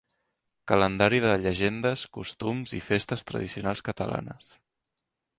Calendari de llegendes, costums i festes tradicionals catalanes.